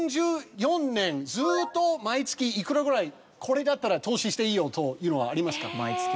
４４年ずっと毎月いくらぐらいこれだったら投資していいよというのはありますか？